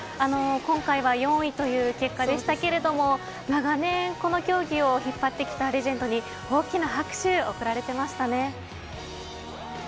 今回は４位という結果でしたが長年この競技を引っ張ってきたレジェンドに大きな拍手を送られていましたね。